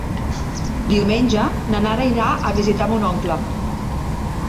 Diumenge na Nara irà a visitar mon oncle.